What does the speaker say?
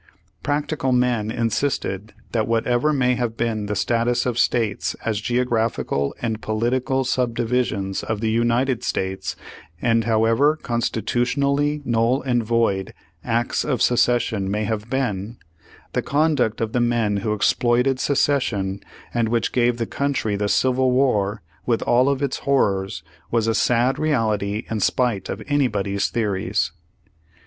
Practical men insisted that whatever may have been the status of states as geographical and political subdivisions of the United States, and however constitutionally null and void acts of se cession may have been, the conduct of the men who exploited secession, and which gave the coun try the Civil War with all of its horrors, was a sad reality in spite of anybody's theories.